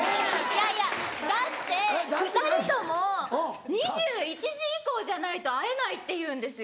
いやいやだって２人とも２１時以降じゃないと会えないって言うんですよ。